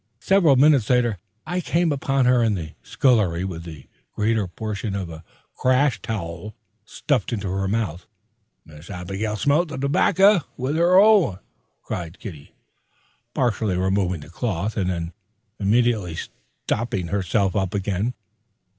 Several minutes later I came upon her in the scullery with the greater portion of a crash towel stuffed into her mouth. "Miss Abygil smelt the terbacca with her oi!" cried Kitty, partially removing the cloth, and then immediately stopping herself up again.